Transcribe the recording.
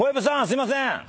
すいません！